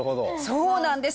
そうなんです。